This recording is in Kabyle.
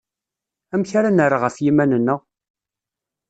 Amek ara nerr ɣef yiman-nneɣ?